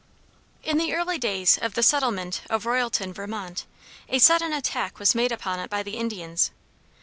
In the early days of the settlement of Royalton, Vermont, a sudden attack was made upon it by the Indians.